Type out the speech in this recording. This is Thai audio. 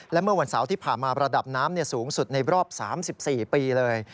และเมื่อวันเสาร์ที่ผ่านมาระดับน้ำสูงสุดในรอบ๓๔ปีเลย